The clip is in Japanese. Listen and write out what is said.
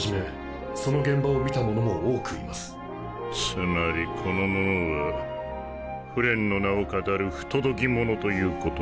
つまりこの者はフレンの名をかたる不届き者ということか。